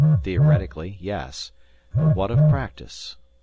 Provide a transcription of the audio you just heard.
Theoretically, yes, but what of practice?